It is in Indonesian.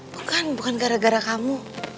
bukan bukan gara gara kamu